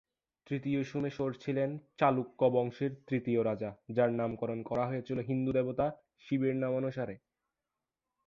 তৃতীয় সোমেশ্বর ছিলেন চালুক্য বংশের তৃতীয় রাজা যাঁর নামকরণ করা হয়েছিল হিন্দু দেবতা শিবের নামানুসারে।